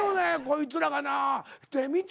こいつらがな道